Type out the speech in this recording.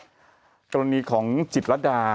เมื่อกรณีของจิตระดา